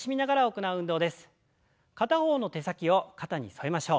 片方の手先を肩に添えましょう。